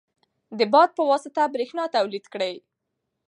د باد په واسطه برېښنا تولید کړئ.